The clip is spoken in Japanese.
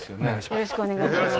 よろしくお願いします